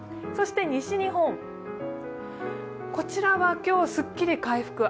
そして西日本、こちらは今日、すっきり回復。